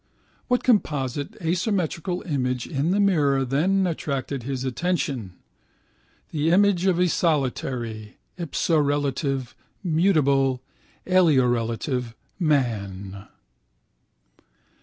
What composite asymmetrical image in the mirror then attracted his attention? The image of a solitary (ipsorelative) mutable (aliorelative) man.